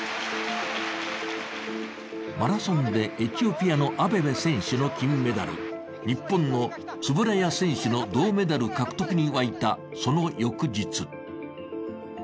マラソンでエチオピアのアベベ選手の金メダル、日本の円谷選手の銅メダル獲得に沸いたその翌日。